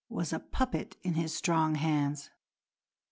was a puppet in his strong hands.